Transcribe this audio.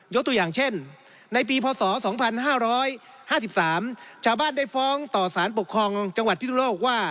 ตัวอย่างเช่นในปีพศ๒๕๕๓ชาวบ้านได้ฟ้องต่อสารปกครองจังหวัดพิศนุโลกว่า